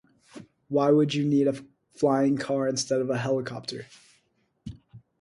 Why would you need a flying car instead of a helicopter?